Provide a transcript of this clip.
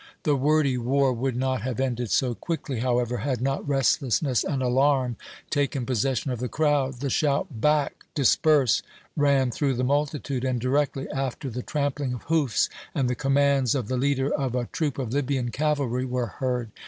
The wordy war would not have ended so quickly, however, had not restlessness and alarm taken possession of the crowd. The shout, "Back! disperse!" ran through the multitude, and directly after the trampling of hoofs and the commands of the leader of a troop of Libyan cavalry were heard.